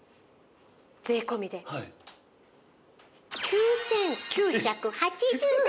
税込で９９８０円。